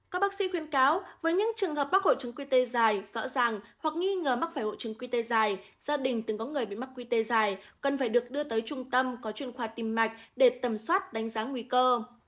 các bác sĩ khuyên cáo với những trường hợp mắc hộ trứng quy tê dài rõ ràng hoặc nghi ngờ mắc phải hộ trứng quy tê dài gia đình từng có người bị mắc quy tê dài cần phải được đưa tới trung tâm có chuyên khoa tìm mạch để tầm soát đánh giá nguy cơ